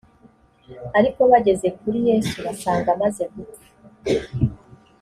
ariko bageze kuri yesu basanga amaze gupfa